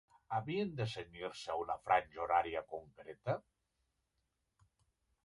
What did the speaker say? Havien de cenyir-se a una franja horària concreta?